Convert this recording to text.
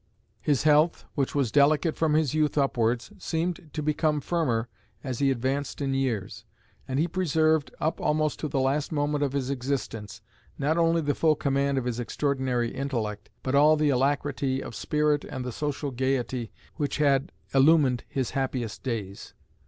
His health, which was delicate from his youth upwards, seemed to become firmer as he advanced in years; and he preserved, up almost to the last moment of his existence, not only the full command of his extraordinary intellect, but all the alacrity of spirit, and the social gaiety, which had illumined his happiest days.